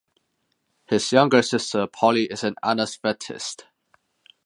His younger sister, Polly, is an anaesthetist.